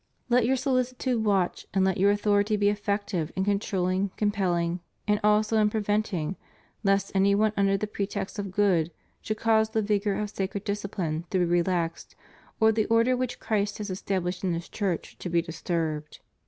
Let your solicitude watch and let your authority be effective in controlhng, compelling, and also in preventing, lest any one under the pretext of good should cause the vigor of sacred dis cipline to be relaxed or the order which Christ has es tablished in His Church to be disturbed.